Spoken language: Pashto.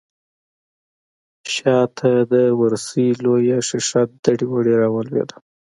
شا ته د ورسۍ لويه شيشه دړې وړې راولوېده.